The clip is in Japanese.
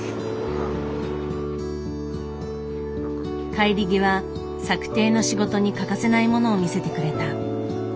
帰り際削蹄の仕事に欠かせないものを見せてくれた。